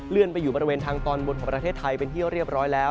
ไปอยู่บริเวณทางตอนบนของประเทศไทยเป็นที่เรียบร้อยแล้ว